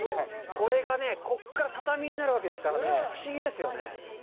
これがね、ここから畳になるわけですからね、不思議ですよね。